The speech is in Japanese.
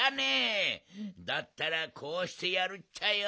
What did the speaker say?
だったらこうしてやるっちゃよ。